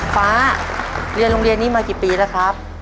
ฟ้าเรียนโรงเรียนนี้มากี่ปีแล้วครับ